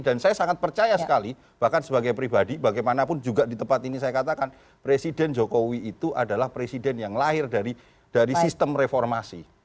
dan saya sangat percaya sekali bahkan sebagai pribadi bagaimanapun juga di tempat ini saya katakan presiden jokowi itu adalah presiden yang lahir dari sistem reformasi